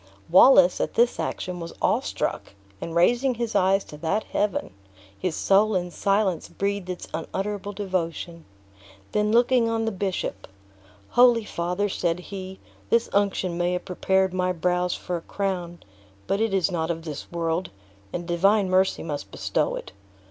Wallace, at this action, was awe struck, and raising his eyes to that Heaven, his soul in silence breathed its unutterable devotion. Then looking on the bishop: "Holy father," said he, "this unction may have prepared my brows for a crown, but it is not of this world, and Divine Mercy must bestow it.